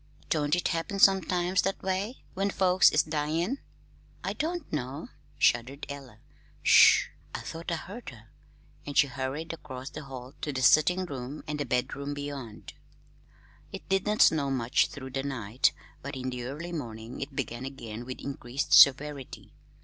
Don't it happen sometimes that way when folks is dyin'?" "I don't know," shuddered Ella. "Sh h! I thought I heard her." And she hurried across the hall to the sitting room and the bedroom beyond. It did not snow much through the night, but in the early morning it began again with increased severity.